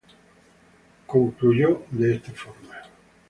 Concluyó en esta forma: